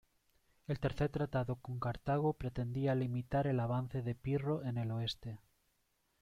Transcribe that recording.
El tercer tratado con Cartago pretendía limitar el avance de Pirro en el oeste.